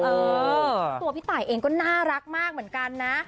ตัวพี่ตายเองก็น่ารักมากเหมือนกันนะ